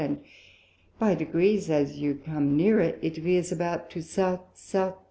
and by Degrees, as you come nearer, it veeres about to South, S. S.